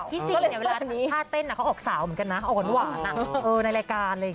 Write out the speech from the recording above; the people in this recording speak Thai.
ซี่เนี่ยเวลาทำท่าเต้นเขาออกสาวเหมือนกันนะออกหวานในรายการอะไรอย่างนี้